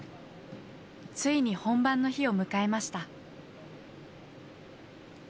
ついに本番の日を迎えました。